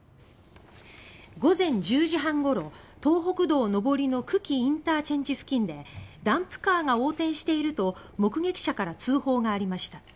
午前１０時半ごろ東北道上りの久喜ＩＣ付近でダンプカーが横転していると目撃者から通報がありました。